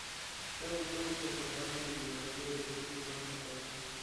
Cada autor se acompaña de biografía y los textos van anotados.